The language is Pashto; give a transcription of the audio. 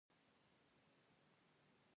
د میرمنو کار د چاپیریال پوهاوي زیاتوي.